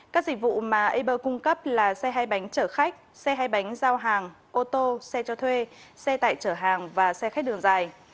các dịch vụ cũng cung cấp là xe hai bánh chở khách xe hai bánh giao hàng ô tô xe cho thuê xe tại chở hàng và xe khách đường dài